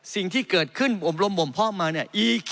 สิ่งที่เกิดขึ้นบอบรมบ่มพ่อมาเนี่ย